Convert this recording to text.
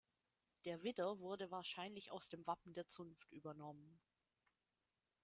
Der Widder wurde wahrscheinlich aus dem Wappen der Zunft übernommen.